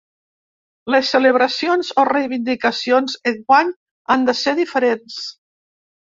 Les celebracions o reivindicacions enguany han de ser diferents.